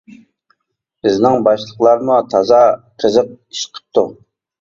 بىزنىڭ باشلىقلارمۇ تازا قىزىق ئىش قىپتۇ.